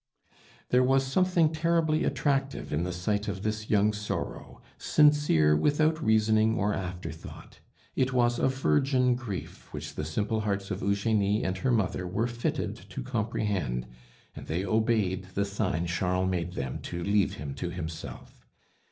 There was something terribly attractive in the sight of this young sorrow, sincere without reasoning or afterthought. It was a virgin grief which the simple hearts of Eugenie and her mother were fitted to comprehend, and they obeyed the sign Charles made them to leave him to himself.